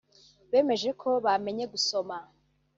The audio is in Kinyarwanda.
bemeje ko bamenye gusoma